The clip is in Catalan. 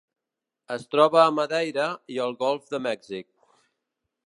Es troba a Madeira i el Golf de Mèxic.